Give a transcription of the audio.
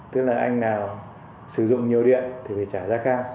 tức là anh nào sử dụng nhiều điện thì phải trả giá cao